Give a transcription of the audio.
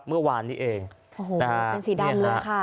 เมื่อวานนี้เองโอ้โหเป็นสีดำเลยค่ะ